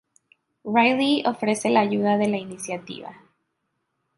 Riley ofrece la ayuda de la Iniciativa.